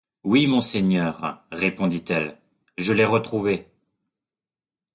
Oui, monseigneur, répondit-elle, je l'ai retrouvée.